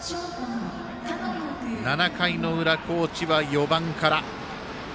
７回の裏、高知は４番から。